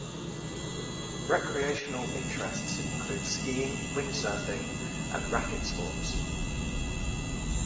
Recreational interests include skiing, wind surfing, and racquet sports.